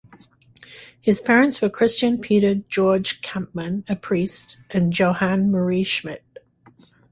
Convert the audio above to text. His parents were Christian Peter Georg Kampmann, a priest, and Johanne Marie Schmidt.